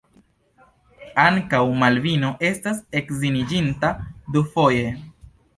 Ankaŭ Malvino estas edziniĝinta dufoje.